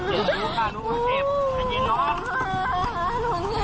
จะขอบรรยายมากหนูเห็นว่า